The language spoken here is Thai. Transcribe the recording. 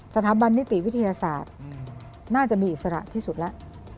สถาบันนิติวิทยาศาสตร์น่าจะมีอิสระที่สุดแล้ว